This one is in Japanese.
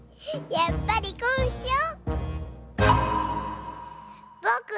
やっぱりこうしちゃお。